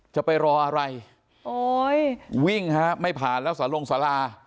จะไปรออะไรโอ้ยวิ่งฮะไม่ผ่านแล้วสารลงสารา